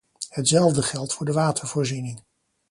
Hetzelfde geldt voor de watervoorziening.